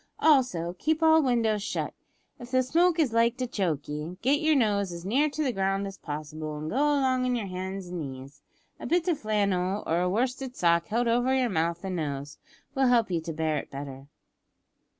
Also keep all windows shut. If the smoke is like to choke ye, git yer nose as near the ground as possible, an' go along on yer hands and knees. A bit o' flannel or a worsted sock held over yer mouth an' nose, will help you to bear it better.